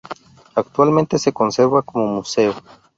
Actualmente se conserva como museo.